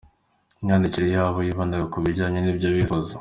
Imyandikire yabo yibandaga ku bijyanye n’ibyo bifuza.